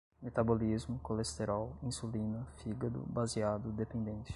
metabolismo, colesterol, insulina, fígado, baseado, dependência